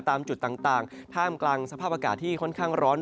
ตามจุดต่างท่ามกลางสภาพอากาศที่ค่อนข้างร้อน